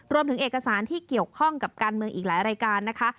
รวมถึงเอกสารที่เกี่ยวข้องกับการเมืองอีกหลายรายการนะคะ